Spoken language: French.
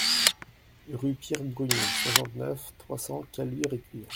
Rue Pierre Brunier, soixante-neuf, trois cents Caluire-et-Cuire